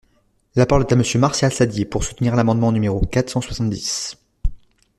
La parole est à Monsieur Martial Saddier, pour soutenir l’amendement numéro quatre cent soixante-dix.